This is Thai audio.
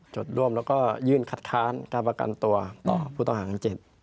จดร่วมแล้วก็ยื่นคัดค้านการประกันตัวต่อผู้ต้องหาทั้ง๗